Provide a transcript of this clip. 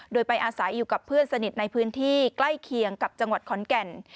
โดยไปอาศัยอยู่กับเพื่อนสนิทในพื้นที่ใกล้เคียงกับจังหวัดขอนแก่น